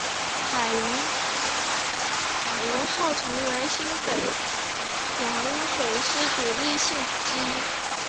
海容号成为新北洋水师主力舰之一。